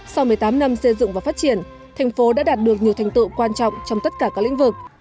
sau một mươi tám năm xây dựng và phát triển thành phố đã đạt được nhiều thành tựu quan trọng trong tất cả các lĩnh vực